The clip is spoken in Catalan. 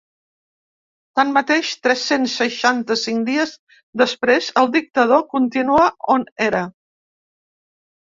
Tanmateix, tres-cents seixanta-cinc dies després el dictador continua on era.